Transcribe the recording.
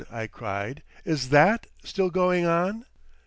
I cried; "is that still going on!"